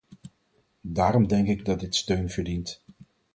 Daarom denk ik dat dit steun verdient.